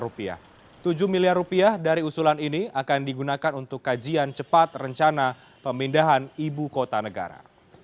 rp tujuh miliar rupiah dari usulan ini akan digunakan untuk kajian cepat rencana pemindahan ibu kota negara